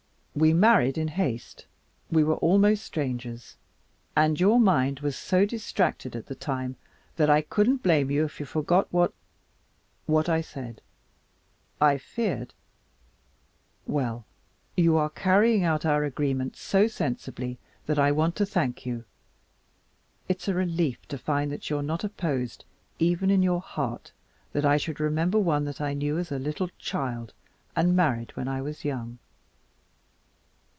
We married in haste, we were almost strangers, and your mind was so distracted at the time that I couldn't blame you if you forgot what what I said. I feared well, you are carrying out our agreement so sensibly that I want to thank you. It's a relief to find that you're not opposed, even in your heart, that I should remember one that I knew as a little child and married when I was young."